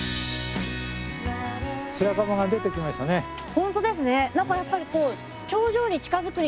本当ですね。